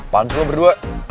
pansu lo berdua